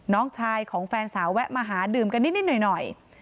น้องชายของแฟนสาวแวะมาหาดื่มกันนิดหน่อย